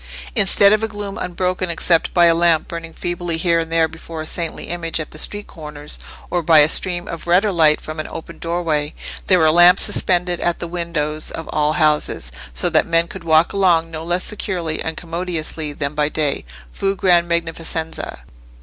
Instead of a gloom unbroken except by a lamp burning feebly here and there before a saintly image at the street corners, or by a stream of redder light from an open doorway, there were lamps suspended at the windows of all houses, so that men could walk along no less securely and commodiously than by day,—fù gran magnificenza.